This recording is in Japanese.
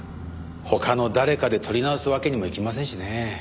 他の誰かで撮り直すわけにもいきませんしね。